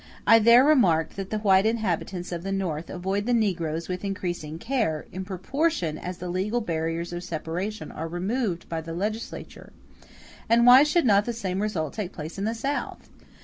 I there remarked that the white inhabitants of the North avoid the negroes with increasing care, in proportion as the legal barriers of separation are removed by the legislature; and why should not the same result take place in the South?